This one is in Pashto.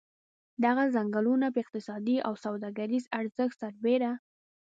دغه څنګلونه په اقتصادي او سوداګریز ارزښت سربېره.